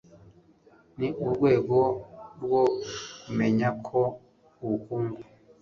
ni urwego rwo kumenya ko ubukungu